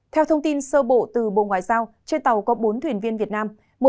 theo thông tin sơ bộ từ bộ ngoại giao trên tàu có bốn thuyền viên việt nam